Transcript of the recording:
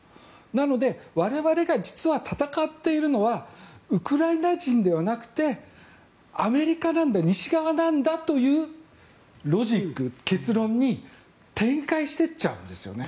なので、我々が実は戦っているのはウクライナ人ではなくてアメリカなんだ西側なんだというロジック、結論に展開してっちゃうんですよね。